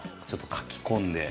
書き込んで。